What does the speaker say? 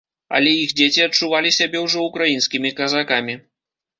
Але іх дзеці адчувалі сябе ўжо украінскімі казакамі.